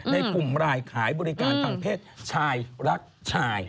ในกลุ่มรายขายบริการทางเพศชายรักชาย